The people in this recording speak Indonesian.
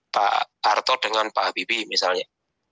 pak harto dengan pak habibie misalnya